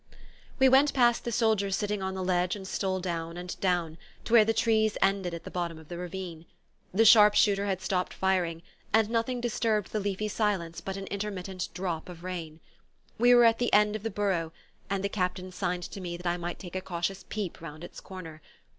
We went past the soldiers sitting on the ledge and stole down and down, to where the trees ended at the bottom of the ravine. The sharp shooter had stopped firing, and nothing disturbed the leafy silence but an intermittent drip of rain. We were at the end of the burrow, and the Captain signed to me that I might take a cautious peep round its corner.